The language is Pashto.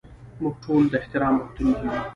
موږ ټول د احترام غوښتونکي یو.